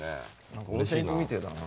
何か温泉行くみてえだな。